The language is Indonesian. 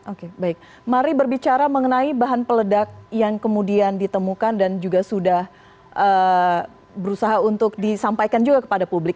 oke baik mari berbicara mengenai bahan peledak yang kemudian ditemukan dan juga sudah berusaha untuk disampaikan juga kepada publik